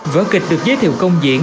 vỡ kịch được giới thiệu công diễn